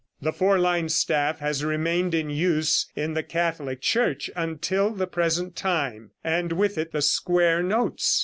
The four line staff has remained in use in the Catholic Church until the present time, and with it the square notes.